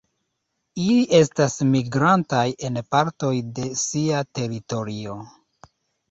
Ili estas migrantaj en partoj de sia teritorio.